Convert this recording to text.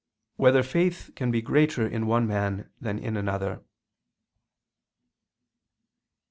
4] Whether Faith Can Be Greater in One Man Than in Another?